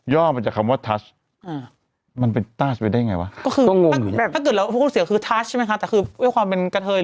คือความเป็นกะเทยรือแบบพวกหนุ่มพูดกลางเป็นการเติม